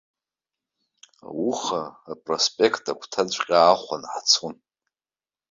Ауха апроспеқт агәҭаҵәҟьа аахәан ҳцон.